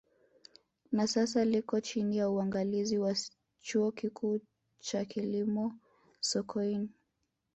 Na sasa liko chini ya uangalizi wa Chuo Kikuu cha Kilimo Sokoine